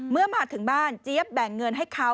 เมื่อมาถึงบ้านเจี๊ยบแบ่งเงินให้เขา